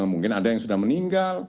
mungkin ada yang sudah meninggal